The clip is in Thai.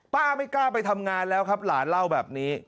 ไม่กล้าไปทำงานแล้วครับหลานเล่าแบบนี้